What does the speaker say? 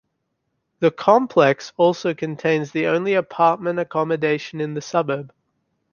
The complex also contains the only apartment accommodation in the suburb.